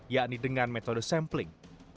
yakni dengan metode sampling